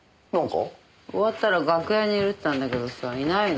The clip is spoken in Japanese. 終わったら楽屋にいるって言ってたんだけどさいないの。